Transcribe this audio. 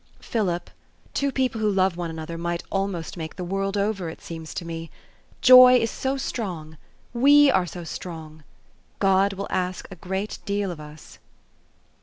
Philip, two people who love one another might almost make the world over, it seems to me. Joy is so strong we are so strong. God will ask a great deal of us."